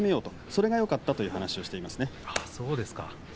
それがよかったという話をしていました。